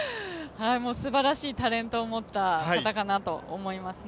すばらしいタレントを持ったカタカナと思いますね。